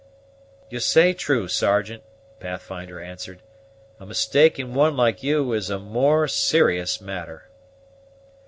"You say true, Sergeant," Pathfinder answered; "a mistake in one like you is a more serious matter."